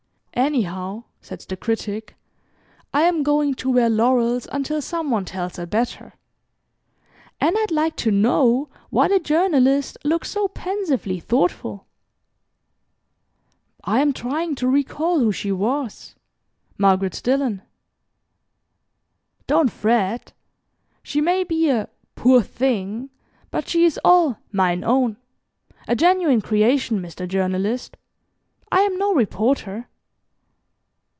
"Anyhow," said the Critic, "I am going to wear laurels until some one tells a better and I'd like to know why the Journalist looks so pensively thoughtful?" "I am trying to recall who she was Margaret Dillon." "Don't fret she may be a 'poor thing,' but she is all 'mine own' a genuine creation, Mr. Journalist. I am no reporter."